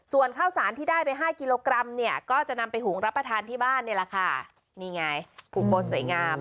ส่วนข้าวสารที่ได้ไปห้ากิโลกรัมเนี่ยก็จะนำไปหุงรับประทานที่บ้านนี่แหละค่ะนี่ไงผูกโบสวยงาม